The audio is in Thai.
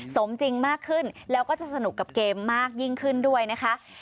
สมจริงมากขึ้นแล้วก็จะสนุกกับเกมมากยิ่งขึ้นด้วยนะคะ